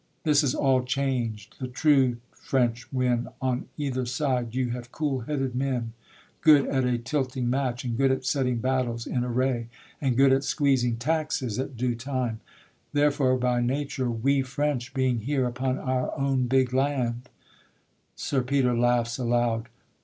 This is all changed, The true French win, on either side you have Cool headed men, good at a tilting match, And good at setting battles in array, And good at squeezing taxes at due time; Therefore by nature we French being here Upon our own big land: [_Sir Peter laughs aloud.